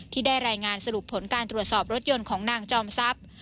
ที่ได้รายงานสรุปผลการตรวจสอบรถยนต์ของนางจอมทรัพย์